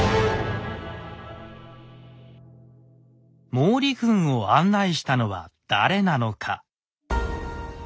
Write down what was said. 毛利軍を案内したのは誰なのか。